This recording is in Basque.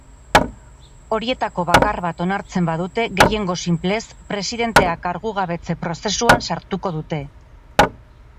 Horietako bakar bat onartzen badute gehiengo sinplez, presidentea kargugabetze-prozesuan sartuko dute.